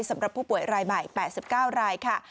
สำหรับผู้ป่วยรายใหม่๘๙รายค่ะ